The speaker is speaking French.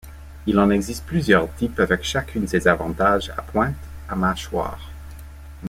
Il en existe plusieurs types avec chacune ses avantages, à pointe, à mâchoire.